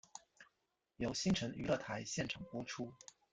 由新城娱乐台现场播出。